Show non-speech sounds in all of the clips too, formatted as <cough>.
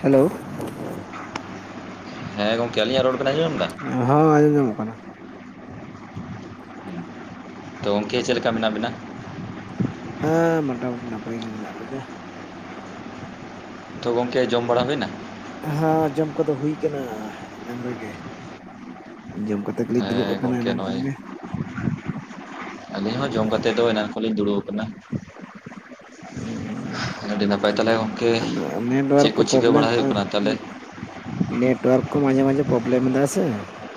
Hello ᱦᱮ ᱜᱚᱝᱠᱮ ᱟ. ᱞᱤᱧᱟᱜ ᱨᱚᱲ ᱵᱮᱱ ᱟᱡᱚᱢ ᱫᱟ ᱦᱚ ᱟᱡᱚᱢ ᱧᱟᱢᱚᱜ ᱠᱟᱱᱟ ᱛᱚ ᱜᱚᱢᱠᱮ ᱪᱮᱫ ᱞᱮᱠᱟ ᱢᱮᱱᱟᱜ ᱵᱤᱱᱟ ᱦᱮ ᱢᱚᱴᱟᱢᱩᱴᱤ ᱱᱟᱯᱟᱭ ᱜᱮ ᱢᱮᱱᱟᱜ ᱞᱤᱧᱟ ᱛᱚ ᱜᱚᱝᱠᱮ ᱡᱚᱢ ᱵᱟᱲᱟ ᱦᱩᱭᱱᱟ ᱦᱮ ᱡᱚᱢ ᱠᱚᱫᱚ ᱦᱩᱭ ᱠᱟᱱᱟ ᱮᱱᱟᱝ ᱨᱮᱜᱮ ᱡᱚᱢ ᱠᱟᱛᱮ ᱜᱮᱞᱤᱧ ᱦᱮ ᱫᱩᱲᱩᱵ ᱟᱠᱟᱱᱟ ᱜᱚᱢᱠᱮ ᱮᱱᱟᱝ ᱱᱚᱜ-ᱚᱭ ᱠᱷᱚᱱ ᱜᱮ ᱟᱹᱞᱤᱧ ᱦᱚ ᱡᱚᱢ ᱠᱟᱛᱮ ᱫᱚ ᱮᱱᱟᱱ ᱠᱷᱚᱱ ᱞᱤᱧ ᱫᱩᱲᱩᱵ ᱠᱟᱱᱟ <inaudible> ᱟᱹᱰᱤ ᱱᱟᱯᱟᱭ ᱛᱟᱦᱞᱮ ᱜᱚᱢᱠᱮ ᱟᱫᱚ ᱪᱮᱫ ᱱᱮᱴᱣᱟᱨᱠ ᱠᱚ ᱪᱤᱠᱟᱹ ᱵᱟᱲᱟ ᱦᱩᱭᱩᱜ ᱠᱟᱱᱟ ᱛᱟᱦᱚᱞᱮ ᱾ ᱱᱮᱴᱳᱣᱟᱨᱠ ᱠᱚ ᱢᱟᱡᱷᱮ ᱢᱟᱡᱷᱮ ᱯᱨᱚᱵᱞᱮᱢ ᱮᱫᱟ ᱥᱮ᱾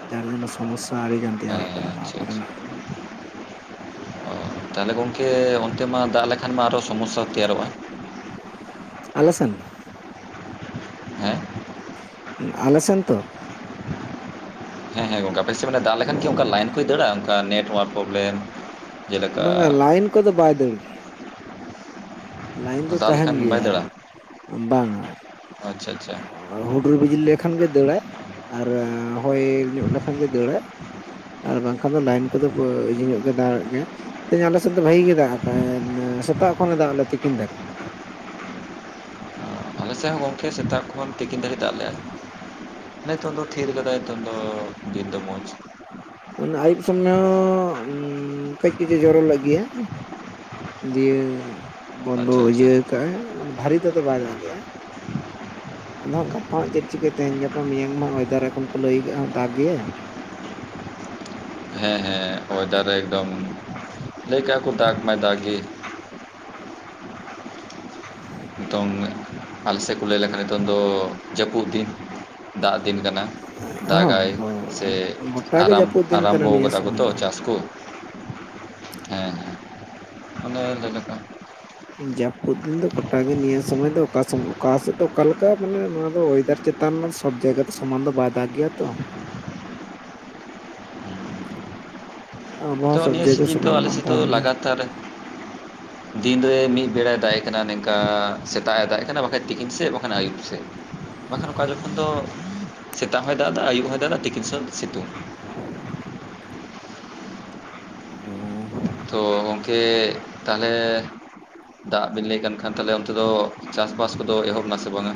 ᱡᱟᱨ ᱡᱚᱱᱚ ᱥᱚᱢᱚᱥᱟ ᱟᱹᱰᱤᱜᱟᱱ ᱛᱮᱭᱟᱨᱚᱜ ᱦᱮᱸ ᱠᱟᱱᱟ ᱱᱚᱣᱟ ᱟᱪᱪᱷᱟ ᱟᱪᱪᱷᱟ ᱠᱚᱨᱮᱱᱟᱜ᱾ ᱚ ᱛᱟᱦᱚᱞᱮ ᱜᱚᱝᱠᱮ ᱚᱱᱛᱮ ᱢᱟ ᱫᱟᱜ ᱞᱮᱠᱷᱟᱱ ᱢᱟ ᱟᱨᱚ ᱥᱚᱢᱚᱥᱟ ᱛᱮᱭᱟᱨᱚᱜᱼᱟ᱾ ᱟᱞᱮᱥᱮᱱ, ᱦᱮᱸ ᱟᱞᱮ ᱥᱮᱱ ᱛᱚ, ᱦᱮᱸ ᱦᱮᱸ ᱜᱚᱝᱠᱮ ᱟᱯᱮ ᱥᱮᱱ ᱫᱟᱜ ᱞᱮᱠᱷᱟᱱᱤ ᱚᱱᱠᱟ ᱞᱟᱭᱤᱱ ᱠᱚᱭ ᱫᱟᱹᱲᱟ ᱚᱱᱠᱟ ᱱᱮᱴᱳᱣᱟᱨᱠ ᱯᱨᱚᱵᱽᱞᱮᱢ ᱾ ᱵᱟᱝᱟ ᱞᱟᱭᱤᱱ ᱠᱚᱫᱚ ᱵᱟᱭ ᱫᱟᱹᱲ ᱜᱮᱭᱟ ᱾ ᱞᱟᱭᱤᱱ ᱫᱚ ᱫᱟᱜ ᱛᱟᱦᱮᱱ ᱞᱮᱠᱷᱟᱱ ᱜᱮᱭᱟ ᱵᱟᱝᱟ ᱾ ᱟᱪᱷᱟ ᱟᱪᱷᱟ ᱾ ᱦᱩᱰᱩᱨ ᱵᱤᱡᱽᱞᱤ ᱞᱮᱠᱷᱟᱱ ᱜᱮ ᱫᱟᱹᱲᱲᱟ ᱟᱨ ᱦᱚᱭ ᱧᱚᱜ ᱞᱮᱠᱷᱟᱱ ᱜᱮ ᱫᱟᱹᱲᱲᱟ ᱾ ᱟᱨ ᱵᱟᱝᱠᱷᱟᱱ ᱫᱚ ᱞᱟᱭᱤᱱ ᱠᱚᱫᱚ ᱤᱡᱤ ᱧᱚᱜ ᱜᱮ ᱫᱟᱲᱟᱜ ᱜᱮ ᱛᱮᱦᱮᱧ ᱟᱞᱮᱥᱮᱫ ᱫᱚ ᱵᱷᱟᱜᱤ ᱜᱮ ᱫᱟᱜ ᱠᱟᱜ ᱟᱭ ᱥᱮᱛᱟᱜ ᱠᱷᱚᱱᱮ ᱫᱟᱜ ᱞᱮᱜ ᱟ ᱛᱤᱠᱤᱱ ᱫᱟᱹᱨᱤᱡ ᱟᱞᱮᱥᱮᱫ ᱦᱚ ᱜᱚᱢᱠᱮ ᱥᱮᱛᱟᱜ ᱠᱷᱚᱱ ᱛᱤᱠᱤᱱ ᱫᱷᱟᱹᱨᱤᱡ ᱫᱟᱜ ᱞᱮᱜ ᱟᱭ ᱱᱤᱛᱚᱜ ᱫᱚ ᱛᱷᱤᱨ ᱠᱟᱫᱟᱭ ᱱᱤᱛᱚᱝ ᱫᱚ ᱫᱤᱱ ᱫᱚ ᱢᱚᱡᱽ ᱾ ᱚᱱᱟ ᱟᱹᱭᱩᱵ ᱥᱚᱢᱚᱭ ᱦᱚᱸ ᱠᱟᱹᱡ ᱠᱟᱹᱡ ᱮ ᱡᱚᱨᱚᱞᱮᱜ ᱜᱮᱭᱟ᱾ ᱫᱤᱭᱮ ᱵᱚᱱᱫᱚ ᱟᱪᱪᱷᱟ ᱟᱪᱪᱷᱟ ᱤᱡᱟᱹ ᱠᱟᱜᱼᱟᱭ ᱢᱟᱱᱮ ᱵᱷᱟᱨᱤ ᱛᱮᱫᱚ ᱵᱟᱭ ᱫᱟᱜ ᱞᱮᱜᱼᱟ᱾ ᱟᱫᱚ ᱦᱟᱸᱜ ᱜᱟᱯᱟ ᱦᱟᱸᱜ ᱪᱮᱫ ᱪᱤᱠᱟᱹᱭ? ᱛᱮᱦᱮᱧ ᱜᱟᱯᱟ ᱢᱮᱭᱟᱝ ᱢᱟ ᱚᱭᱮᱫᱟᱨ ᱮᱠᱷᱚᱱ ᱠᱚ ᱞᱟᱹᱭ ᱠᱟᱜᱼᱟ ᱫᱟᱜᱽ ᱜᱮ᱾ ᱦᱮᱸ ᱦᱮᱸ ᱚᱭᱰᱟᱨ ᱨᱮ ᱮᱠᱫᱚᱢ ᱞᱟᱹᱭ ᱠᱟᱜᱼᱟ ᱠᱚ ᱫᱟᱜᱽ ᱢᱟᱭ ᱫᱟᱜᱽ ᱜᱮ᱾ ᱱᱤᱛᱚᱝ ᱟᱞᱮᱥᱮᱫ ᱠᱚ ᱞᱟᱹᱭ ᱞᱮᱠᱷᱟᱱ ᱱᱤᱛᱚᱝ ᱫᱚ ᱡᱟᱹᱯᱩᱫ ᱫᱤᱱ ᱫᱟᱜ ᱫᱤᱱ ᱠᱟᱱᱟ᱾ ᱦᱚᱸ ᱫᱟᱜᱟᱭ ᱥᱮ ᱜᱚᱴᱟ ᱜᱮ ᱟᱨᱟᱢ ᱡᱟᱹᱯᱩᱫ ᱫᱤᱱ ᱠᱟᱱᱟ ᱟᱨᱟᱢᱵᱚ ᱱᱤᱭᱟᱹ ᱠᱟᱫᱟ ᱥᱚᱢᱚᱭ ᱠᱚᱛᱚ ᱫᱚ ᱪᱟᱥ ᱠᱚ ᱾ ᱦᱮᱸ ᱦᱮᱸ ᱚᱱᱮ ᱞᱟᱹᱭᱮ ᱞᱮᱠᱟ ᱾ ᱡᱟᱹᱯᱩᱫ ᱫᱤᱱ ᱫᱚ ᱜᱚᱴᱟᱜᱮ ᱱᱤᱭᱟᱹ ᱥᱚᱢᱚᱭ ᱫᱚ ᱚᱠᱟ ᱥᱚᱭ ᱚᱠᱟ ᱥᱮᱫ ᱫᱚ ᱚᱠᱟᱞᱮᱠᱟ ᱢᱟᱱᱮ ᱱᱚᱣᱟ ᱫᱚ ᱚᱭᱮᱫ ᱪᱮᱛᱟᱱ ᱾ ᱱᱮᱛᱟᱨ ᱨᱮᱱᱟᱜ ᱥᱚᱵᱽ ᱡᱟᱭᱜᱟ ᱫᱚ ᱥᱚᱢᱟᱱ ᱫᱚ ᱵᱟᱭ ᱫᱟᱜ ᱜᱮᱭᱟ ᱛᱚ ᱾ <inaudible> ᱟᱵᱚᱦᱟᱣᱟ ᱛᱚ ᱥᱚᱵ ᱱᱤᱭᱟᱹ ᱡᱟᱭᱜᱟ ᱥᱤᱡᱤᱱ ᱫᱚ ᱥᱚᱢᱟᱱ ᱟᱞᱮ ᱵᱟᱝ ᱥᱮᱫ ᱫᱚ ᱛᱟᱦᱮᱱ ᱜᱮᱭᱟ᱾ ᱞᱟᱜᱟᱛᱟᱨ ᱾ ᱫᱤᱱ ᱨᱮ ᱢᱤᱫ ᱵᱮᱲᱟᱭ ᱫᱟᱜᱮ ᱠᱟᱱᱟ ᱱᱚᱤᱝᱠᱟ ᱥᱮᱛᱟᱜ ᱮ ᱫᱟᱜ ᱮ ᱠᱟᱱᱟ ᱵᱟᱠᱷᱟᱱ ᱛᱤᱠᱤᱱ ᱥᱮᱫ ᱵᱟᱠᱷᱟᱱ ᱟᱹᱭᱩᱵ ᱥᱮᱫ ᱾ ᱵᱟᱝᱠᱷᱟᱱ ᱚᱠᱟ ᱡᱚᱠᱷᱚᱱ ᱫᱚ ᱥᱮᱛᱟᱜ ᱦᱚᱸᱭ ᱫᱟᱜ ᱮᱫᱟ ᱟᱹᱭᱩᱵ ᱦᱚᱭ ᱫᱟᱜ ᱮᱫᱟ ᱛᱤᱠᱤᱱ ᱥᱮ ᱥᱤᱛᱩᱝ ᱾ <unintelligible> ᱛᱳ ᱜᱚᱢᱠᱮ ᱛᱟᱦᱚᱞᱮ ᱾ ᱫᱟᱜ ᱵᱤᱱ ᱞᱟᱹᱭ ᱠᱟᱱ ᱠᱷᱟᱱ ᱛᱟᱦᱞᱮ ᱚᱱᱛᱮ ᱫᱚ ᱪᱟᱥᱵᱟᱥ ᱠᱚᱫᱚ ᱮᱦᱚᱵ ᱱᱟ ᱥᱮ ᱵᱟᱝᱟ?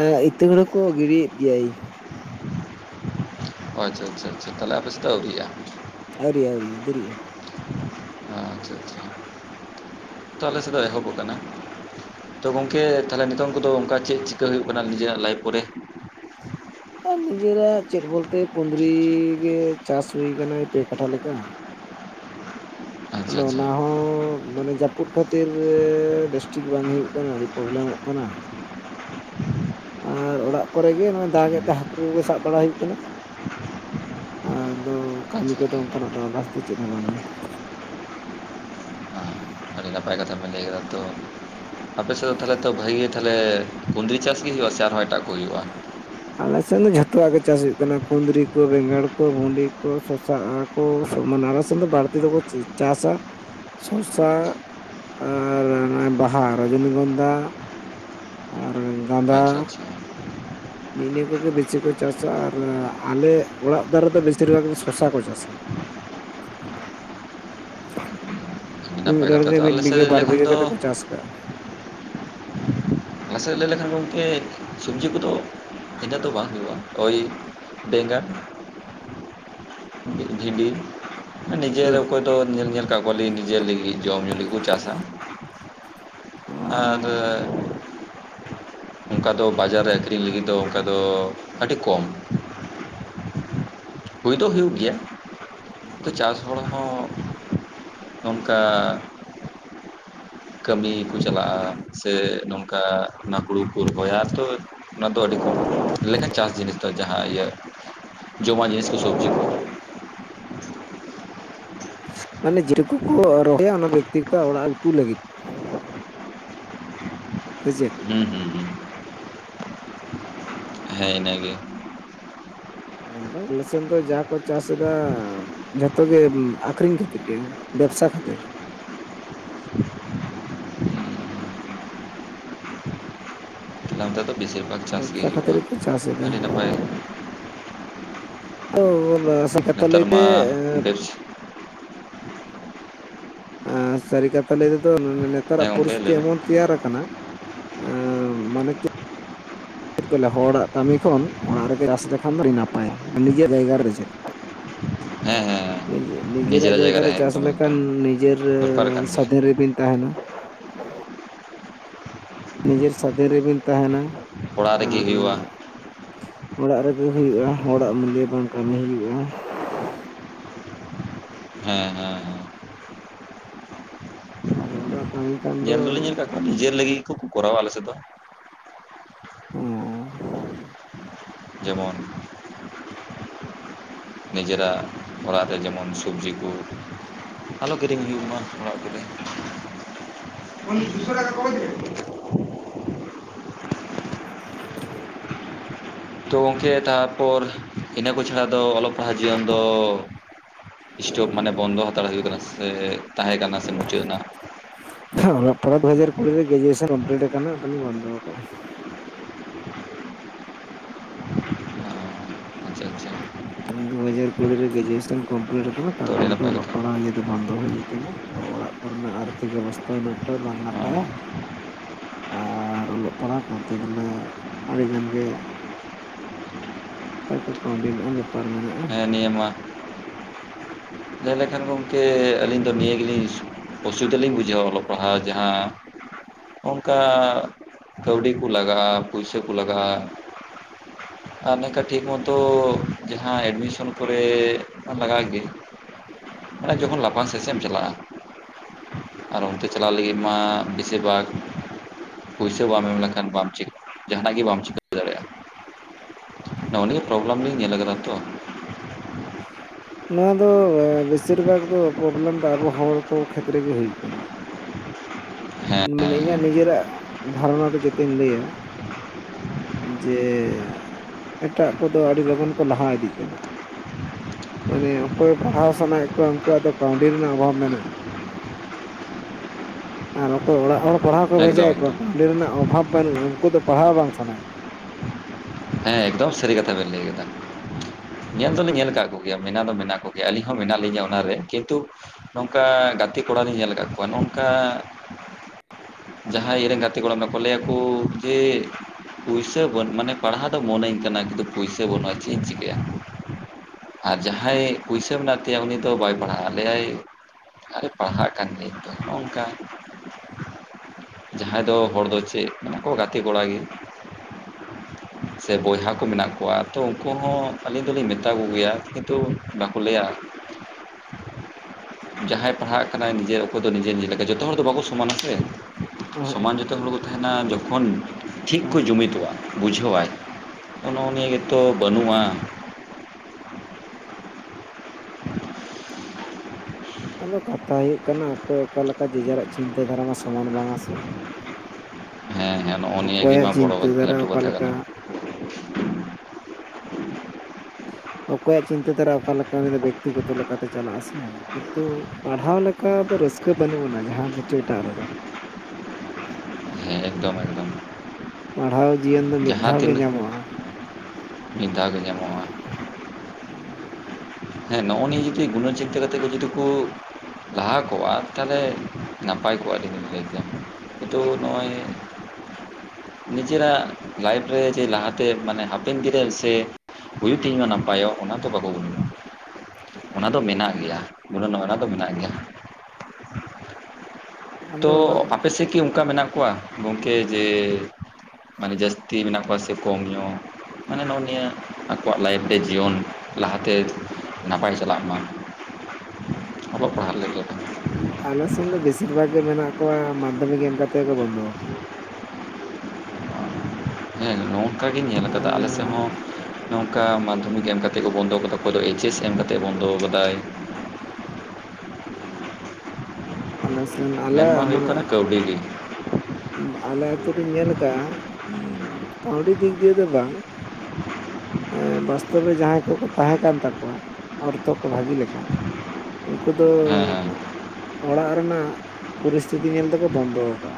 ᱮ ᱤᱛᱟᱹ ᱦᱲᱟᱹ ᱠᱚ ᱜᱤᱲᱤᱭᱮᱫ ᱜᱮᱭᱟᱭ ᱾ ᱟᱪᱚᱪᱷᱟ ᱟᱪᱚᱪᱷᱟ ᱟᱪᱷᱟ ᱛᱟᱦᱚᱞᱮ ᱟᱯᱮ ᱥᱮᱫ ᱟᱹᱣᱨᱤᱜᱼᱟ ᱾ ᱟᱹᱣᱨᱤ ᱟᱹᱣᱨᱤ ᱫᱮᱨᱤᱼᱟ ᱾ ᱟᱪᱚᱪᱷᱟ ᱟᱪᱚᱪᱷᱟ ᱛᱚ ᱟᱞᱮ ᱥᱮᱫ ᱫᱚ ᱮᱦᱚᱵ ᱟᱠᱟᱱᱟ ᱾ ᱛᱚ ᱜᱚᱝᱠᱮ ᱛᱟᱦᱞᱮ ᱱᱤᱛᱚᱝ ᱠᱚᱫᱚ ᱚᱱᱠᱟ ᱪᱮᱫ ᱪᱤᱠᱟᱹ ᱦᱩᱭᱩᱜ ᱠᱟᱱᱟ ᱱᱤᱡᱮᱨᱟᱜ ᱞᱟᱭᱤᱯᱷ ᱠᱚᱨᱮ ᱾ ᱦᱮᱸ ᱱᱤᱡᱮᱨᱟᱜ ᱪᱮᱫ ᱵᱚᱞᱛᱮ ᱠᱩᱸᱫᱽᱨᱤ ᱜᱮ ᱪᱟᱥ ᱦᱩᱭ ᱟᱠᱟᱱᱟᱭ ᱯᱮ ᱠᱟᱴᱷᱟ ᱞᱮᱠᱟ ᱾ ᱟᱪᱪᱷᱟ ᱟᱫᱚ ᱟᱪᱪᱷᱟ ᱚᱱᱟ ᱦᱚᱸ ᱢᱟᱱᱮ ᱡᱟᱹᱯᱩᱫ ᱠᱷᱟᱹᱛᱤᱨ ᱵᱮᱥᱴᱷᱤᱠ ᱵᱟᱝ ᱦᱩᱭᱩᱜ ᱠᱟᱱᱟ ᱟᱹᱰᱤ ᱯᱨᱚᱵᱞᱮᱢᱚᱜ ᱠᱟᱱᱟ ᱾ ᱟᱨ ᱚᱲᱟᱜ ᱠᱚᱨᱮᱜ ᱜᱮ ᱱᱚᱜ-ᱚᱭ ᱫᱟᱜ ᱮᱫ ᱛᱮ ᱦᱟᱹᱠᱩ ᱠᱚᱜᱮ ᱥᱟᱵ ᱵᱟᱲᱟ ᱦᱩᱭᱩᱜ ᱠᱟᱱᱟ ᱾ ᱟᱫᱚ ᱠᱟᱹᱢᱤ ᱟᱪᱪᱷᱟ ᱠᱚᱫᱚ ᱦᱮᱸ ᱚᱱᱠᱟᱱᱟᱜ ᱫᱚ ᱟᱫᱟᱨᱥ ᱫᱚ ᱪᱮᱫ ᱦᱚᱸ ᱵᱟᱝᱜᱮ ᱾ ᱟᱹᱰᱤ ᱱᱟᱯᱟᱭ ᱠᱟᱛᱷᱟ ᱵᱮᱱ ᱞᱟᱹᱭ ᱱᱮᱛᱟᱨ ᱫᱚ ᱟᱯᱮ ᱥᱮᱫ ᱫᱚ ᱛᱟᱦᱚᱞᱮ ᱛᱚ ᱵᱷᱟᱹᱜᱮ ᱛᱟᱦᱚᱞᱮ ᱠᱩᱸᱫᱽᱨᱤ ᱪᱟᱥ ᱜᱮ ᱦᱩᱭᱩᱜ-ᱟ ᱥᱮ ᱟᱨᱦᱚᱸ ᱮᱴᱟᱜ ᱠᱚ ᱦᱩᱭᱩᱜᱼᱟ? ᱟᱞᱮᱥᱮᱫ ᱫᱚ ᱡᱷᱚᱛᱚᱣᱟᱜ ᱜᱮ ᱪᱟᱥ ᱦᱩᱭᱩᱜ ᱠᱟᱱᱟ ᱠᱩᱸᱫᱽᱨᱤ ᱠᱚ ᱵᱮᱸᱜᱟᱲ ᱠᱚ ᱵᱷᱩᱸᱰᱤ ᱠᱚ ᱥᱚᱥᱟ ᱟᱠᱚ ᱾ ᱟᱞᱮ ᱥᱮ ᱫᱚ ᱵᱟᱲᱛᱤ ᱫᱚᱠᱚ ᱪᱟᱥᱟ ᱾ ᱥᱚᱨᱚᱥᱟ ᱟᱨ ᱱᱚᱜᱼᱚᱭ ᱵᱟᱦᱟ ᱨᱚᱡᱚᱱᱤᱜᱚᱸᱫᱷᱟ ᱾ ᱟᱨ ᱾ ᱟᱪᱪᱷᱟ ᱟᱪᱪᱷᱟ᱾ ᱱᱤᱜ ᱱᱤᱭᱟᱹ ᱠᱚᱜᱮ ᱵᱤᱥᱤ ᱠᱚ ᱪᱟᱥᱟ ᱟᱨ ᱟᱞᱮ ᱚᱲᱟᱜ ᱫᱷᱟᱨᱮ ᱫᱚ ᱵᱮᱥᱤᱨ ᱵᱷᱟᱜᱽ ᱫᱚ ᱥᱚᱥᱟ ᱠᱚ ᱪᱟᱥᱟ <inaudible> ᱟᱹᱰᱤ ᱱᱟᱯᱟᱭ ᱢᱤᱫ ᱦᱚᱲ ᱠᱟᱛᱷᱟ ᱜᱮ ᱛᱚ ᱟᱞᱮ ᱢᱤᱫ ᱥᱮᱫ ᱵᱤᱜᱷᱟᱹ ᱞᱟᱹᱭ ᱵᱟᱨ ᱞᱮᱠᱷᱟᱱ ᱵᱤᱜᱷᱟᱹ ᱫᱚ ᱠᱟᱛᱮ ᱠᱚ ᱪᱟᱥ ᱠᱟᱜ-ᱟ ᱟᱞᱮ ᱥᱮᱫ ᱞᱟᱹᱭ ᱞᱮᱠᱷᱟᱱ ᱜᱚᱢᱠᱮ ᱥᱚᱵᱡᱤ ᱠᱚᱫᱚ ᱫᱚ ᱵᱟᱝ ᱦᱩᱭᱩᱜ-ᱟ ᱳᱭ ᱵᱮᱸᱜᱟᱲ ᱵᱷᱤᱰᱤ ᱦᱮᱸ ᱟᱠᱚ ᱞᱟᱹᱜᱤᱫ ᱱᱤᱡᱮᱨ ᱞᱟᱹᱜᱤᱫ ᱡᱚᱢ ᱧᱩ ᱞᱟᱹᱜᱤᱫ ᱠᱚ ᱪᱟᱥᱟ ᱟᱨ ᱚᱱᱠᱟ ᱫᱚ ᱵᱟᱡᱟᱨ ᱨᱮ ᱟᱹᱠᱷᱨᱤᱧ ᱞᱟᱹᱜᱤᱫ ᱫᱚ ᱚᱱᱠᱟ ᱫᱚ ᱟᱹᱰᱤ ᱠᱚᱢ ᱦᱩᱭ ᱫᱚ ᱦᱩᱭᱩᱜ ᱜᱮᱭᱟ ᱛᱚ ᱪᱟᱥ ᱦᱚᱲ ᱦᱚᱸ ᱱᱚᱝᱠᱟ ᱠᱟᱹᱢᱤ ᱠᱚ ᱪᱟᱞᱟᱜ-ᱟ ᱥᱮ ᱱᱚᱝᱠᱟ ᱚᱱᱟ ᱦᱩᱲᱩ ᱠᱚ ᱨᱚᱦᱚᱭᱟ ᱛᱚ ᱚᱱᱟ ᱫᱚ ᱟᱹᱰᱤ ᱠᱚᱢ ᱞᱮᱠᱷᱟᱱ ᱪᱟᱥ ᱡᱤᱱᱤᱥ ᱫᱚ ᱡᱟᱦᱟᱸ ᱤᱭᱟᱹ ᱡᱚᱢᱟᱜ ᱡᱤᱱᱤᱥ ᱠᱚ ᱥᱚᱵᱡᱤ ᱠᱚ ᱢᱟᱱᱮ ᱡᱤᱨᱟᱹ ᱠᱚ ᱠᱚ ᱨᱚᱦᱚᱭᱟ ᱚᱱᱟ ᱵᱮᱠᱛᱤᱜᱚᱛᱚ ᱚᱲᱟᱜ ᱩᱛᱩ ᱞᱟᱹᱜᱤᱫ ᱾ ᱥᱮᱪᱮᱫ ᱾ ᱦᱩᱸ ᱦᱩᱸ ᱦᱩᱸ ᱾ ᱦᱮᱸ ᱤᱱᱟᱹᱜᱮ ᱾ ᱟᱞᱮᱥᱮᱱ ᱫᱚ ᱡᱟ ᱠᱚ ᱪᱟᱥ ᱮᱫᱟ ᱡᱷᱚᱛᱚ ᱜᱮ ᱟᱠᱷᱨᱤᱧ ᱠᱷᱟᱹᱛᱤᱨ ᱜᱮ ᱵᱮᱯᱥᱟ ᱠᱷᱟᱹᱛᱤᱨ ᱟᱞᱮ ᱱᱚᱛᱮ ᱫᱚ ᱵᱮᱥᱤ ᱵᱮᱯᱥᱟ ᱠᱷᱟᱹᱛᱤᱨ ᱜᱮᱠᱚ ᱪᱟᱥ ᱮᱫᱟ ᱱᱟᱯᱟᱭ <unintelligible> ᱠᱟᱛᱷᱟ ᱞᱟᱹᱭ ᱱᱮᱛᱟᱨ ᱛᱮ ᱢᱟ ᱵᱮᱵᱥ ᱥᱟᱹᱨᱤ ᱠᱟᱛᱷᱟ ᱞᱟᱹᱭ ᱛᱮᱫᱚ ᱦᱮᱸ ᱱᱮᱛᱟᱨᱟᱜ ᱜᱚᱝᱠᱮ ᱯᱚᱨᱤᱥᱛᱤᱛᱷᱤ ᱞᱟᱹᱭ ᱵᱮᱱ ᱮᱢᱚᱱ ᱛᱮᱭᱟᱨ ᱟᱠᱟᱱᱟ ᱟᱸ ᱢᱟᱱᱮ ᱪᱮᱫ ᱪᱮᱫ ᱠᱚ ᱞᱟᱹᱭᱟ ᱦᱚᱲᱟᱜ ᱠᱟᱹᱢᱤ ᱠᱷᱚᱱ ᱚᱲᱟᱜ ᱨᱮᱜᱮ ᱪᱟᱥ ᱞᱮᱠᱷᱟᱱ ᱟᱹᱰᱤ ᱱᱟᱯᱟᱭᱟ ᱱᱤᱡᱮᱨ ᱡᱟᱭᱜᱟ ᱨᱮ ᱪᱮᱫ <inaudible> ᱦᱮᱸ ᱱᱤᱡᱮᱨᱟᱜ ᱡᱟᱭᱜᱟ ᱨᱮ ᱪᱟᱥ ᱞᱮᱠᱷᱟᱱ ᱱᱤᱡᱮᱨ ᱫᱚᱨᱠᱟᱨ ᱠᱟᱱ ᱜᱮᱭᱟ ᱥᱟᱫᱷᱤᱱ ᱨᱮ ᱵᱤᱱ ᱛᱟᱦᱮᱸᱱᱟ ᱱᱤᱡᱮᱨ ᱥᱟᱫᱷᱤᱱ ᱨᱮ ᱵᱤᱱ ᱛᱟᱦᱮᱸᱱᱟ ᱚᱲᱟᱜ ᱨᱮᱜᱮ ᱟᱨ ᱦᱩᱭᱩᱜᱼᱟ ᱚᱲᱟᱜ ᱨᱮᱜᱮ ᱦᱩᱭᱩᱜ-ᱟ ᱚᱲᱟᱜ ᱢᱩᱞᱤᱭᱟᱹ ᱵᱟᱝ ᱠᱟᱹᱢᱤ ᱦᱩᱭᱩᱜ-ᱟ ᱦᱮᱸ ᱦᱮᱸ ᱦᱮᱸ ᱟᱨ ᱚᱲᱟᱜ ᱧᱮᱞ ᱫᱚᱞᱮᱧ ᱧᱮᱞ ᱟᱠᱟᱫ ᱠᱚᱣᱟ ᱱᱤᱡᱮᱨ ᱞᱟᱹᱜᱤᱫ ᱜᱮ ᱠᱚᱠᱚ ᱠᱚᱨᱟᱣᱟ ᱟᱞᱮ ᱥᱮᱫ ᱫᱚ ᱚᱸ ᱡᱮᱢᱚᱱ ᱱᱤᱡᱮᱨᱟᱜ ᱚᱲᱟᱜ ᱨᱮ ᱡᱮᱢᱚᱱ ᱥᱚᱵᱡᱤ ᱠᱚ ᱟᱞᱚ ᱠᱤᱨᱤᱧ ᱦᱩᱭᱩᱜ ᱢᱟ ᱚᱲᱟᱜ ᱠᱚᱨᱮ <inaudible> ᱛᱳ ᱜᱚᱢᱠᱮ ᱛᱟᱨᱯᱚᱨ ᱤᱱᱟᱹ ᱠᱚ ᱪᱷᱟᱲᱟ ᱫᱚ ᱚᱞᱚᱜ ᱯᱟᱲᱦᱟᱜ ᱡᱤᱭᱚᱱ ᱫᱚ ᱥᱴᱳᱯ ᱢᱟᱱᱮ ᱵᱚᱱᱫᱚ ᱦᱟᱛᱟᱲ ᱦᱩᱭ ᱠᱟᱱᱟ ᱥᱮ ᱛᱟᱦᱮᱸ ᱠᱟᱱᱟ ᱥᱮ ᱢᱩᱪᱟᱹᱫ ᱮᱱᱟ ᱚᱞᱚᱜ ᱯᱟᱲᱦᱟᱣ ᱫᱩ ᱦᱟᱡᱟᱨ ᱠᱩᱲᱤ ᱨᱮ ᱜᱨᱮᱡᱩᱭᱮᱥᱚᱱ ᱠᱚᱢᱯᱞᱤᱴ ᱟᱠᱟᱱᱟ ᱛᱟᱦᱚᱞᱤᱧ ᱵᱚᱱᱫᱚ ᱟᱠᱟᱫ-ᱟ ᱚ ᱟᱪᱪᱷᱟ ᱟᱪᱪᱷᱟ ᱫᱩ ᱦᱟᱡᱟᱨ ᱠᱩᱲᱤ ᱨᱮ ᱜᱨᱮᱡᱩᱭᱮᱥᱚᱱ ᱠᱚᱢᱯᱞᱤᱴ ᱟᱠᱟᱱᱟ ᱛᱚ ᱟᱹᱰᱤ ᱛᱟᱨᱯᱚᱨᱮ ᱫᱚ ᱱᱟᱯᱟᱭ ᱚᱞᱚᱜ ᱠᱟᱛᱷᱟ ᱯᱟᱲᱦᱟᱣ ᱤᱭᱟᱹ ᱛᱮ ᱵᱚᱱᱫᱚ ᱦᱩᱭ ᱟᱠᱟᱱᱟ ᱟᱫᱚ ᱚᱲᱟᱜ ᱠᱚ ᱨᱮᱱᱟᱜ ᱟᱨᱛᱷᱤᱠ ᱚᱵᱚᱥᱛᱷᱟ ᱩᱱᱟᱹᱜ ᱴᱟ ᱵᱟᱝ ᱚ ᱱᱟᱯᱟᱭᱟ ᱟᱨ ᱚᱞᱚᱜ ᱯᱟᱲᱦᱟᱣ ᱠᱚᱨᱛᱮ ᱜᱮᱞᱮ ᱟᱹᱰᱤ ᱜᱟᱱ ᱜᱮ ᱴᱟᱠᱟ ᱠᱟᱣᱰᱤ ᱨᱮᱱᱟᱜ ᱦᱚᱸ ᱵᱮᱯᱟᱨ ᱢᱮᱱᱟᱜ-ᱟ ᱦᱮᱸ ᱱᱤᱭᱚᱢᱟ ᱞᱟᱹᱭ ᱞᱮᱠᱷᱟᱱ ᱜᱚᱢᱠᱮ ᱟᱹᱞᱤᱧ ᱫᱚ ᱱᱤᱭᱟᱹ ᱜᱮᱞᱤᱧ ᱚᱥᱩᱵᱤᱫᱷᱟ ᱞᱤᱧ ᱵᱩᱡᱷᱟᱹᱣᱟ ᱚᱞᱚᱜ ᱯᱟᱲᱦᱟᱣ ᱡᱟᱦᱟᱸ ᱚᱱᱠᱟ ᱠᱟᱹᱣᱰᱤ ᱠᱚ ᱞᱟᱜᱟᱜ-ᱟ ᱯᱩᱭᱥᱟᱹ ᱠᱚ ᱞᱟᱜᱟᱜ-ᱟ ᱟᱨ ᱱᱮᱝᱠᱟ ᱴᱷᱤᱠ ᱢᱚᱛᱚ ᱡᱟᱦᱟᱸ ᱮᱰᱢᱤᱥᱚᱱ ᱠᱚᱨᱮ ᱞᱟᱜᱟᱜ ᱜᱮ ᱡᱚᱠᱷᱚᱱ ᱞᱟᱯᱷᱟᱝ ᱥᱮ ᱥᱮᱫ ᱮᱢ ᱪᱟᱞᱟᱜ-ᱟ ᱟᱨ ᱚᱱᱛᱮ ᱪᱟᱞᱟᱜ ᱞᱟᱹᱜᱤᱫ ᱢᱟ ᱵᱮᱥᱤᱨ ᱵᱷᱟᱜᱽ ᱯᱩᱭᱥᱟᱹ ᱵᱟᱢ ᱮᱢ ᱞᱮᱠᱷᱟᱱ ᱵᱟᱢ ᱪᱤᱫᱟ ᱡᱟᱦᱟᱱᱟᱜ ᱜᱮ ᱵᱟᱢ ᱪᱤᱠᱟᱹ ᱚᱸᱰᱮ ᱜᱮ ᱯᱨᱚᱵᱽᱞᱮᱢ ᱫᱚᱧ ᱧᱮᱞ ᱠᱟᱫᱟ ᱛᱚ ᱱᱚᱣᱟ ᱫᱚ ᱮ ᱵᱮᱥᱤᱨ ᱵᱷᱟᱜᱽ ᱫᱚ ᱯᱨᱚᱵᱽᱞᱮᱢ ᱫᱚ ᱟᱵᱚ ᱦᱚᱲ ᱠᱚ ᱠᱷᱮᱛ ᱨᱮᱜᱮ ᱦᱩᱭᱩᱜ ᱠᱟᱱᱟ ᱦᱮᱸ ᱢᱟᱱᱮ ᱤᱧᱟᱜ ᱱᱤᱡᱮᱨᱟᱜ ᱫᱷᱟᱨᱚᱱᱟ ᱫᱚ ᱡᱮᱛᱮᱧ ᱞᱟᱹᱭᱟ ᱡᱮ ᱮᱴᱟᱜ ᱠᱚᱫᱚ ᱟᱹᱰᱤ ᱞᱚᱜᱚᱱ ᱠᱚ ᱞᱟᱦᱟ ᱤᱫᱤᱜ ᱠᱟᱱᱟ ᱢᱟᱱᱮ ᱚᱠᱚᱭ ᱯᱟᱲᱦᱟᱣ ᱥᱟᱱᱟᱭᱮᱫ ᱠᱚᱣᱟ ᱩᱝᱠᱩᱣᱟᱜ ᱫᱚ ᱠᱟᱹᱣᱰᱤ ᱨᱮᱱᱟᱜ ᱚᱵᱷᱟᱵᱽ ᱢᱮᱱᱟᱜᱼᱟ᱾ ᱟᱨ ᱚᱠᱚᱭ ᱚᱲᱟᱜ ᱦᱚᱲ ᱯᱟᱲᱦᱟᱣ ᱠᱚ ᱮᱠᱫᱚᱢ ᱵᱷᱮᱡᱟᱭᱮᱫ ᱠᱚᱣᱟ ᱮᱠᱫᱚᱢ ᱠᱟᱹᱣᱰᱤ ᱨᱮᱱᱟᱜ ᱚᱵᱷᱟᱵᱽ ᱵᱟᱹᱱᱩᱜᱼᱟ ᱩᱝᱠᱩ ᱫᱚ ᱯᱟᱲᱦᱟᱣ ᱵᱟᱝ ᱥᱟᱱᱟᱭᱮᱫ ᱠᱚᱣᱟ ᱦᱮᱸ ᱮᱠᱫᱚᱢ ᱥᱟᱹᱨᱤ ᱠᱟᱛᱷᱟ ᱵᱮᱱ ᱞᱟᱹᱭ ᱠᱮᱫᱟ ᱧᱮᱞ ᱫᱚᱞᱤᱧ ᱧᱮᱞ ᱟᱠᱟᱫ ᱠᱚᱜᱮᱭᱟ ᱢᱮᱱᱟᱜ ᱫᱚ ᱢᱮᱱᱟᱜ ᱠᱚᱜᱮᱭᱟ ᱟᱹᱞᱤᱧ ᱦᱚᱸ ᱢᱮᱱᱟᱜ ᱞᱤᱧᱟ ᱚᱱᱟᱨᱮ ᱠᱤᱱᱛᱩ ᱱᱚᱝᱠᱟ ᱜᱟᱛᱮ ᱠᱚᱲᱟᱨᱤᱧ ᱧᱮᱞ ᱟᱠᱟᱜ ᱠᱚᱣᱟ ᱱᱚᱝᱠᱟ ᱡᱟᱦᱟᱸᱭ ᱤᱧᱨᱮᱱ ᱜᱟᱛᱮ ᱠᱚᱲᱟ ᱢᱮᱱᱟᱜ ᱠᱚ ᱞᱟᱹᱭᱟ ᱠᱩ ᱡᱮ ᱯᱩᱭᱥᱟᱹ ᱵᱟᱹᱱ ᱢᱟᱱᱮ ᱯᱟᱲᱦᱟᱣ ᱫᱚ ᱢᱚᱱᱮᱧ ᱠᱟᱱᱟ ᱠᱤᱱᱛᱩ ᱯᱩᱭᱥᱟᱹ ᱵᱟᱹᱱᱩᱜ-ᱟ ᱪᱮᱫ ᱤᱧ ᱪᱤᱠᱟᱹᱭᱟ ᱟᱨ ᱡᱟᱦᱟᱸᱭ ᱯᱩᱭᱥᱟᱹ ᱢᱮᱱᱟᱜ ᱛᱟᱭᱟ ᱩᱱᱤ ᱫᱚ ᱵᱟᱭ ᱯᱟᱲᱦᱟᱜ-ᱟ ᱞᱟᱹᱭᱟᱭ ᱟᱨᱮ ᱯᱟᱲᱦᱟᱜ ᱠᱟᱱ ᱜᱮᱭᱟᱹᱧ ᱛᱚ ᱱᱚᱜᱚ-ᱱᱚᱝᱠᱟ ᱡᱟᱦᱟᱸᱭ ᱫᱚ ᱦᱚᱲ ᱫᱚ ᱪᱮᱫ ᱢᱮᱱᱟᱠᱚ ᱜᱟᱛᱮ ᱠᱚᱲᱟ ᱜᱮ ᱥᱮ ᱵᱚᱭᱦᱟ ᱠᱚ ᱢᱮᱱᱟᱜ ᱠᱚᱣᱟ ᱛᱚ ᱩᱝᱠᱩ ᱦᱚᱸ ᱟᱹᱞᱤᱧ ᱫᱚᱞᱤᱧ ᱢᱮᱛᱟ ᱠᱚᱜᱮᱭᱟ ᱠᱤᱱᱛᱩ ᱵᱟᱠᱚ ᱞᱟᱹᱭᱟ ᱡᱟᱦᱟᱸᱭ ᱯᱟᱲᱦᱟᱜ ᱠᱟᱱᱟᱭ ᱱᱤᱡᱮ ᱚᱠᱚᱭ ᱫᱚ ᱱᱤᱡᱮ ᱱᱤᱡᱮ ᱞᱮᱠᱟ ᱡᱚᱛᱚ ᱦᱚᱲ ᱫᱚ ᱵᱟᱹᱵᱚ ᱥᱚᱢᱟᱱᱟ ᱥᱮ ᱚᱦᱚᱸᱜ ᱥᱚᱢᱟᱱ ᱡᱚᱛᱚ ᱚᱦᱚᱸᱜ ᱦᱚᱲ ᱠᱚ ᱛᱟᱦᱮᱱᱟ ᱡᱚᱠᱷᱚᱱ ᱴᱷᱤᱠ ᱚᱠᱚᱭ ᱠᱚ ᱵᱟᱠᱚ ᱥᱟᱱᱟ ᱡᱩᱢᱤᱫᱚᱜᱼᱟ᱾ ᱵᱩᱡᱷᱟᱹᱣᱟᱭ ᱚᱱ ᱱᱤᱭᱟᱹ ᱜᱮᱛᱚ ᱵᱟᱹᱱᱩᱜᱼᱟ ᱟᱫᱚ ᱠᱟᱛᱷᱟ ᱦᱩᱭᱩᱜ ᱠᱟᱱᱟ ᱚᱠᱚᱭ ᱚᱠᱟ ᱞᱮᱠᱟ ᱡᱮᱡᱟᱨᱟᱜ ᱪᱤᱱᱛᱟᱹ ᱫᱷᱟᱨᱟ ᱢᱟ ᱥᱚᱢᱟᱱ ᱵᱟᱝ ᱟ ᱥᱮ ᱦᱮᱸ ᱦᱮᱸ ᱱᱚᱜᱼᱚ ᱱᱤᱭᱟᱹ ᱚᱠᱚᱭᱟᱜ ᱜᱮᱢᱟ ᱵᱚᱲᱚ ᱪᱤᱱᱛᱟᱹ ᱫᱷᱟᱨᱟ ᱞᱟᱹᱴᱩ ᱚᱠᱟ ᱠᱟᱛᱷᱟ ᱞᱮᱠᱟ? ᱠᱟᱱᱟ ᱚᱠᱚᱭᱟᱜ ᱪᱤᱱᱛᱟᱹ ᱫᱷᱟᱨᱟ ᱚᱠᱟ ᱞᱮᱠᱟ ᱩᱱᱤ ᱫᱚ ᱵᱮᱠᱛᱤᱜᱚᱛᱚ ᱞᱮᱠᱟᱛᱮ ᱪᱟᱞᱟᱜᱼᱟ ᱥᱮ ᱠᱤᱱᱛᱩ ᱯᱟᱲᱦᱟᱣ ᱞᱮᱠᱟ ᱫᱚ ᱨᱟᱹᱥᱠᱟᱹ ᱵᱟᱹᱱᱩᱜ ᱟᱱᱟ ᱡᱟᱦᱟᱸ ᱠᱤᱪᱷᱩ ᱮᱴᱟᱜ ᱨᱮᱫᱚ ᱦᱮᱸ ᱮᱠᱫᱚᱢ ᱮᱠ ᱯᱟᱲᱦᱟᱣ ᱡᱤᱭᱚᱱ ᱫᱚ ᱢᱤᱫ ᱡᱟᱦᱟᱸ ᱫᱷᱟᱣ ᱜᱮ ᱛᱤᱱᱟᱹᱜ ᱧᱟᱢᱚᱜᱼᱟ᱾ ᱢᱤᱫ ᱫᱷᱟᱣ ᱜᱮ ᱧᱟᱢᱚᱜᱼᱟ᱾ <inaudible> ᱦᱮᱸ ᱱᱚᱜᱼᱚ ᱱᱤᱭᱟᱹ ᱡᱩᱫᱤ ᱜᱩᱱᱟᱹᱱ ᱪᱤᱱᱛᱟᱹ ᱠᱟᱛᱮᱜ ᱠᱚ ᱡᱩᱫᱤ ᱠᱚ ᱞᱟᱦᱟ ᱠᱚᱜᱼᱟ ᱛᱟᱦᱞᱮ ᱱᱟᱯᱟᱭ ᱠᱚᱜᱼᱟ ᱤᱧᱤᱧ ᱞᱟᱹᱭ ᱠᱮᱭᱟ ᱛᱚ ᱱᱚᱜᱼᱚᱭ ᱱᱤᱡᱮᱨᱟᱜ ᱞᱟᱭᱤᱯᱷ ᱨᱮ ᱡᱮ ᱞᱟᱦᱟᱛᱮ ᱢᱟᱱᱮ ᱦᱟᱯᱮᱱ ᱫᱤᱱ ᱨᱮ ᱥᱮ ᱦᱩᱭᱩᱜ ᱛᱤᱧ ᱢᱟ ᱱᱟᱯᱟᱭᱚᱜ ᱚᱱᱟ ᱛᱚ ᱵᱟᱠᱚ <unintelligible> ᱚᱱᱟ ᱫᱚ ᱢᱮᱱᱟᱜ ᱜᱮᱭᱟ ᱵᱚᱞᱮ ᱱᱚᱜᱼᱚ ᱱᱟ ᱫᱚ ᱢᱮᱱᱟᱜ ᱜᱮᱭᱟ ᱛᱳ ᱟᱫᱚ ᱚᱱᱟ ᱟᱯᱮ ᱥᱮᱜ ᱠᱤ ᱚᱝᱠᱟ ᱢᱮᱱᱟᱜ ᱠᱚᱣᱟ ᱜᱚᱝᱠᱮ ᱡᱮ ᱢᱟᱱᱮ ᱡᱟᱹᱥᱛᱤ ᱢᱮᱱᱟᱜ ᱠᱚᱣᱟ ᱥᱮ ᱠᱚᱢ ᱧᱚᱜ ᱢᱟᱱᱮ ᱱᱚᱜᱼᱚ ᱱᱤᱭᱟᱹ ᱟᱠᱚᱣᱟᱜ ᱞᱟᱭᱤᱯᱷ ᱨᱮ ᱡᱤᱭᱚᱱ ᱞᱟᱦᱟᱛᱮ ᱱᱟᱯᱟᱭ ᱪᱟᱞᱟᱜ ᱢᱟ ᱟᱵᱚᱣᱟᱜ ᱯᱟᱲᱦᱟᱜ ᱞᱟᱹᱜᱤᱫ ᱩᱸ ᱟᱞᱮ ᱥᱮᱱ ᱫᱚ ᱵᱮᱥᱤᱨ ᱵᱷᱟᱜ ᱜᱮ ᱢᱮᱱᱟᱜ ᱠᱚᱣᱟ ᱢᱟᱫᱽᱫᱷᱚᱢᱤᱠ ᱮᱢ ᱠᱟᱛᱮ ᱠᱚ ᱵᱚᱱᱫᱚ ᱠᱟᱜ - ᱟ ᱦᱮᱸ ᱱᱚᱝᱠᱟ ᱜᱤᱧ ᱧᱮᱞ ᱟᱠᱟᱫᱟ ᱟᱞᱮ ᱥᱮᱜ ᱦᱚᱸ ᱟᱠᱟᱫᱼᱟ ᱱᱚᱝᱠᱟ ᱢᱟᱫᱽᱫᱷᱚᱢᱤᱠ ᱮᱢ ᱠᱟᱛᱮ ᱠᱚ ᱵᱚᱱᱫᱚ ᱟᱠᱟᱫᱟ ᱚᱠᱚᱭ ᱫᱚ ᱮᱪ ᱮᱥ ᱮᱢ ᱠᱟᱛᱮᱜ ᱵᱚᱱᱫᱚ ᱟᱠᱟᱫᱟᱭ ᱟᱞᱮ ᱥᱮᱱ ᱟᱞᱮ ᱢᱮᱱᱢᱟ ᱦᱩᱭᱩᱜ ᱢᱟᱱᱮ ᱠᱟᱱᱟ ᱠᱟᱹᱣᱰᱤ ᱜᱮ ᱟᱞᱮ ᱟᱹᱛᱩ ᱨᱮᱧ ᱧᱮᱞ ᱟᱠᱟᱫᱼᱟ ᱩᱸᱜ ᱠᱟᱹᱣᱰᱤ ᱫᱤᱠ ᱫᱤᱭᱮ ᱫᱚ ᱵᱟᱝ ᱮᱸ ᱵᱟᱥᱛᱚᱵ ᱨᱮ ᱡᱟᱦᱟᱸᱭ ᱠᱚᱠᱚ ᱛᱟᱦᱮᱸ ᱠᱟᱱ ᱛᱟᱠᱚᱣᱟ ᱚᱨᱛᱷᱚ ᱠᱚ ᱵᱷᱟᱜᱤ ᱞᱮᱠᱟ ᱩᱝᱠᱩ ᱫᱚ ᱦᱮᱸ ᱦᱮᱸ ᱚᱲᱟᱜ ᱨᱮᱱᱟᱜ ᱯᱚᱨᱤᱥᱛᱷᱤᱛᱤ ᱧᱮᱞ ᱛᱮᱠᱚ ᱵᱚᱱᱫᱚ ᱟᱠᱟᱜᱼᱟ᱾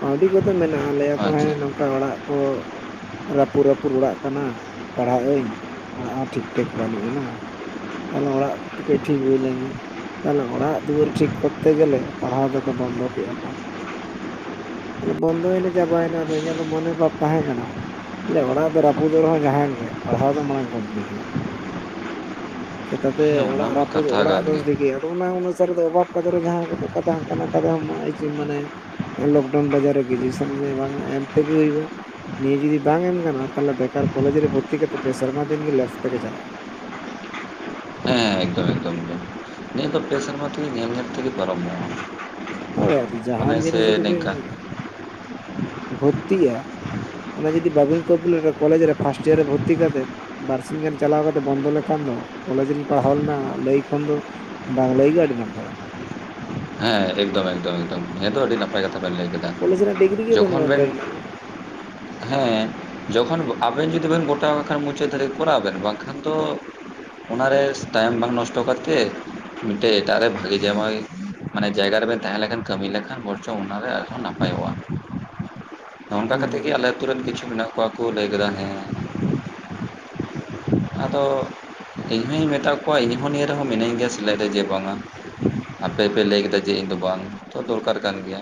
ᱠᱟᱹᱣᱰᱤ ᱠᱚᱫᱚ ᱢᱮᱱᱟᱜᱼᱟ ᱞᱟᱹᱭᱟ ᱠᱚ ᱦᱮᱸ ᱟᱪᱪᱷᱟ ᱱᱚᱝᱠᱟ ᱚᱲᱟᱜ ᱠᱚ ᱨᱟᱹᱯᱩᱫ ᱨᱟᱹᱯᱩᱫ ᱚᱲᱟᱜ ᱠᱟᱱᱟ ᱯᱟᱲᱦᱟᱜ ᱟᱹᱧ ᱚᱲᱟᱜ ᱦᱚᱸ ᱴᱷᱤᱠ ᱴᱷᱟᱠ ᱵᱟᱹᱱᱩᱜ ᱟᱱᱟ ᱛᱟᱦᱞᱮ ᱚᱲᱟᱜ ᱠᱟᱹᱡ ᱴᱷᱤᱠ ᱦᱩᱭ ᱞᱮᱱᱜᱮ ᱛᱟᱦᱚᱞᱮ ᱚᱲᱟᱜ ᱫᱩᱣᱟᱹᱨ ᱴᱷᱤᱠ ᱠᱚᱨᱛᱮ ᱜᱮᱞᱮ ᱯᱟᱲᱦᱟᱣ ᱛᱮᱫᱚ ᱵᱚᱱᱫᱚ ᱠᱮᱜᱼᱟ ᱠᱚ᱾ ᱟᱫᱚ ᱵᱚᱱᱫᱚᱭᱱᱟ ᱪᱟᱵᱟᱭᱱᱟ ᱟᱫᱚ ᱤᱧᱟᱹᱜ ᱫᱚ ᱢᱚᱱᱮ ᱵᱷᱟᱵ ᱛᱟᱦᱮᱸ ᱠᱟᱱᱟ ᱞᱮ ᱚᱲᱟᱜ ᱫᱚ ᱨᱟᱹᱯᱩᱫᱚᱜ ᱨᱮᱦᱚᱸ ᱡᱟᱦᱟᱜᱮᱱ ᱜᱮ ᱯᱟᱲᱦᱟᱣ ᱫᱚ ᱢᱟᱲᱟᱝ ᱠᱚᱢᱯᱞᱤᱴ ᱦᱩᱭᱩᱜᱼᱟ ᱪᱮᱛᱟᱛᱮ ᱦᱮᱸ ᱚᱱᱟ ᱚᱲᱟᱜ ᱢᱟ ᱨᱟᱹᱯᱩᱫ ᱠᱟᱛᱷᱟ ᱚᱲᱟᱜ ᱠᱟᱱ ᱫᱚ ᱜᱮ ᱪᱤᱠᱟᱭ ᱟᱢ ᱟᱫᱚ ᱚᱱᱟ ᱚᱱᱩᱥᱟᱨᱤ ᱫᱚ ᱚᱵᱷᱟᱵ ᱠᱟᱛᱮ ᱨᱮ ᱡᱟᱦᱟᱸ ᱠᱚ <unintelligible> ᱛᱟᱦᱮᱱ ᱠᱟᱱᱟ ᱢᱟᱱᱮ ᱦᱮ ᱞᱚᱠᱰᱟᱣᱩᱱ ᱵᱟᱡᱟᱨ ᱨᱮ ᱜᱮᱨᱡᱩᱥᱮᱱ ᱵᱟᱝᱟ ᱮᱢ ᱛᱮᱜᱮ ᱦᱩᱭᱩᱜ-ᱟ ᱱᱤᱭᱟᱹ ᱡᱩᱫᱤ ᱵᱟᱝ ᱮᱢ ᱜᱟᱱᱚᱜ-ᱟ ᱛᱟᱦᱚᱞᱮ ᱵᱮᱠᱟᱨ ᱠᱚᱞᱮᱡᱽ ᱨᱮ ᱵᱷᱚᱨᱛᱤ ᱠᱟᱛᱮ ᱯᱮ ᱥᱮᱨᱢᱟ ᱫᱤᱱ ᱜᱮ ᱞᱮᱯᱥ ᱛᱮᱜᱮ ᱪᱟᱞᱟᱜ-ᱟ ᱦᱮᱸ ᱮᱠᱫᱚᱢ ᱮᱠᱫᱚᱢ ᱮᱠᱫᱚᱢ ᱱᱤᱭᱟᱹ ᱫᱚ ᱯᱮ ᱥᱮᱨᱢᱟ ᱛᱮᱜᱮ ᱧᱮᱞ ᱧᱮᱞ ᱛᱮᱜᱮ ᱯᱟᱨᱚᱢᱚᱜ-ᱟ ᱦᱳᱭ ᱟᱫᱚ ᱡᱟᱦᱟᱸᱱ ᱡᱤᱱᱤᱥ ᱨᱮᱵᱤᱱ ᱵᱷᱚᱛᱛᱤᱟᱜᱼᱟ ᱚᱱᱟ ᱡᱩᱫᱤ ᱵᱟᱵᱤᱱ ᱠᱚᱯᱞᱤᱴᱟ ᱠᱚᱞᱮᱡ ᱨᱮ ᱯᱷᱟᱥᱴ ᱤᱭᱟᱨ ᱨᱮ ᱵᱷᱚᱨᱛᱤ ᱠᱟᱛᱮᱫ ᱵᱟᱨᱥᱤᱧ ᱜᱟᱱ ᱪᱟᱞᱟᱣ ᱠᱟᱛᱮ ᱵᱚᱱᱫᱚ ᱞᱮᱠᱷᱟᱱ ᱫᱚ ᱠᱚᱞᱮᱡ ᱨᱤᱧ ᱯᱟᱲᱦᱟᱣ ᱞᱮᱱᱟ ᱞᱟᱹᱭ ᱠᱷᱚᱱ ᱫᱚ ᱵᱟᱝ ᱞᱟᱹᱭ ᱜᱮ ᱟᱹᱰᱤ ᱱᱟᱯᱟᱭᱟ ᱦᱮᱸ ᱮᱠᱫᱚᱢ ᱮᱠᱫᱚᱢ ᱮᱠᱫᱚᱢ ᱦᱮᱸ ᱛᱚ ᱟᱹᱰᱤ ᱱᱟᱯᱟᱭ ᱠᱟᱛᱷᱟ ᱵᱮᱱ ᱞᱟᱹᱭ ᱠᱮᱫᱟ ᱠᱚᱞᱮᱡᱽ ᱨᱮ ᱰᱤᱜᱽᱨᱤ ᱜᱮ ᱡᱚᱠᱷᱚᱱ ᱵᱟᱹᱱᱩᱜᱼᱟᱱ ᱵᱮᱱ ᱛᱟᱵᱮᱱᱟ ᱦᱟᱸᱜ ᱦᱮᱸ ᱡᱚᱠᱷᱚᱱ ᱟᱵᱮᱱ ᱡᱩᱫᱤ ᱵᱮᱱ ᱜᱚᱴᱟᱣ ᱟᱠᱷᱟᱱ ᱢᱩᱪᱟᱹᱫ ᱫᱷᱟᱹᱵᱤᱡ ᱠᱚᱨᱟᱣ ᱵᱮᱱ ᱵᱟᱝᱠᱷᱟᱱ ᱫᱚ ᱚᱱᱟᱨᱮ ᱴᱟᱭᱤᱢ ᱵᱟᱝ ᱱᱚᱥᱴᱚ ᱠᱟᱛᱮᱫ ᱢᱤᱫᱴᱮᱱ ᱮᱴᱟᱜ ᱨᱮ ᱵᱷᱟᱜᱤ ᱡᱟᱢᱟᱭ ᱢᱟᱱᱮ ᱡᱟᱭᱜᱟ ᱨᱮᱵᱮᱱ ᱛᱟᱦᱮᱸ ᱞᱮᱠᱷᱟᱱ ᱠᱟᱹᱢᱤ ᱞᱮᱠᱷᱟᱱ ᱵᱚᱨᱪᱚᱝ ᱚᱱᱟᱨᱮ ᱟᱨᱦᱚᱸ ᱱᱟᱯᱟᱭᱚᱜ-ᱟ ᱱᱚᱝᱠᱟ ᱠᱟᱛᱮᱜ ᱜᱮ ᱦᱩᱸ ᱟᱞᱮ ᱟᱛᱩ ᱨᱮᱱ ᱠᱤᱪᱷᱩ ᱢᱮᱱᱟᱜ ᱠᱚᱣᱟ ᱠᱩ ᱞᱟᱹᱭ ᱠᱮᱫᱟ ᱦᱮᱸ ᱟᱫᱚ ᱤᱧ ᱦᱚᱧ ᱢᱮᱛᱟ ᱠᱚᱣᱟ ᱤᱧᱦᱚᱸ ᱱᱤᱭᱟᱹ ᱨᱮᱦᱚ ᱢᱤᱱᱟᱹᱧ ᱜᱮᱭᱟ ᱥᱮᱞᱮᱫ ᱨᱮ ᱡᱮ ᱵᱟᱝᱟ ᱟᱯᱮ ᱯᱮ ᱞᱟᱹᱭ ᱠᱮᱫᱟ ᱡᱮ ᱤᱧ ᱫᱚ ᱵᱟᱝ ᱛᱚ ᱫᱚᱨᱠᱟᱨ ᱠᱟᱱ ᱜᱮᱭᱟ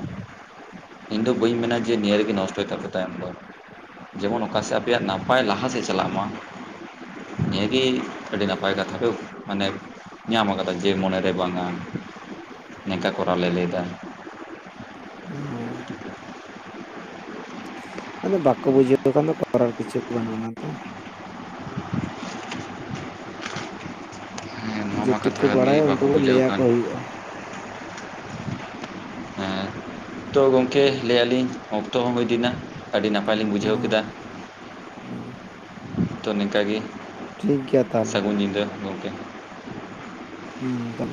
ᱤᱧ ᱫᱚ ᱵᱟᱹᱧ ᱢᱮᱱᱟ ᱡᱮ ᱱᱤᱭᱟᱹ ᱨᱮᱜᱮ ᱱᱚᱥᱴᱚᱭ ᱛᱟᱯᱮ ᱛᱟᱭᱚᱢ ᱫᱚ ᱡᱮᱢᱚᱱ ᱚᱠᱟᱥᱮ ᱟᱯᱮᱭᱟᱜ ᱱᱟᱯᱟᱭ ᱞᱟᱦᱟ ᱥᱮᱫ ᱪᱟᱞᱟ ᱢᱟ ᱱᱤᱭᱟᱹ ᱜᱮ ᱟᱹᱰᱤ ᱱᱟᱯᱟᱭ ᱠᱟᱛᱷᱟ ᱯᱮ ᱢᱟᱱᱮ ᱧᱟᱢ ᱠᱟᱫᱟ ᱡᱮ ᱢᱚᱱᱮᱨᱮ ᱵᱟᱝᱟ ᱱᱤᱝᱠᱟ ᱠᱚᱨᱟᱣ ᱞᱮ ᱞᱟᱹᱭᱫᱟ ᱦᱩᱸ ᱟᱫᱚ ᱵᱟᱠᱚ ᱵᱩᱡᱷᱟᱹᱣ ᱠᱷᱟᱱ ᱫᱚ ᱠᱚᱨᱟᱨ ᱠᱤᱪᱷᱩ ᱵᱟᱹᱱᱩᱜ ᱟᱱᱟ ᱛᱚ ᱦᱮᱸ ᱱᱚᱣᱟ ᱢᱟ ᱠᱟᱛᱷᱟ ᱡᱮᱴᱩᱠᱩ ᱠᱟᱱ ᱜᱮ ᱵᱟᱲᱟᱭᱟ ᱵᱟᱠᱚ ᱩᱱᱴᱩᱠᱩ ᱵᱩᱡᱷᱟᱹᱣ ᱞᱟᱹᱭᱟ ᱠᱚ ᱠᱟᱱ ᱦᱩᱭᱩᱜᱼᱟ ᱛᱚᱦ ᱜᱚᱢᱠᱮ ᱞᱟᱹᱭᱟ ᱞᱤᱧ ᱚᱠᱛᱚ ᱦᱚᱸ ᱦᱩᱭ ᱤᱫᱤᱭ ᱱᱟ ᱟᱹᱰᱤ ᱱᱟᱯᱟᱭ ᱞᱤᱧ ᱵᱩᱡᱷᱟᱹᱣ ᱠᱮᱫᱟ ᱦᱩᱸ ᱛᱚ ᱱᱤᱝᱠᱟ ᱜᱮ ᱴᱷᱤᱠ ᱜᱮᱭᱟ ᱛᱟᱦᱚᱞᱮ ᱥᱟᱹᱜᱩᱱ ᱧᱤᱫᱟᱹ ᱜᱚᱝᱠᱮ ᱦᱩ. ᱼᱼ